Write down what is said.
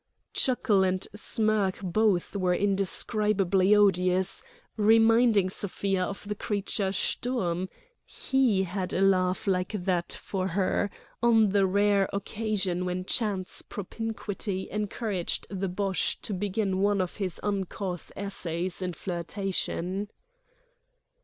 Chuckle and smirk both were indescribably odious, reminding Sofia of the creature Sturm; he had a laugh like that for her, on the rare occasion when chance propinquity encouraged the Boche to begin one of his uncouth essays in flirtation.